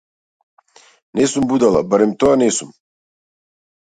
Не сум будала, барем тоа не сум.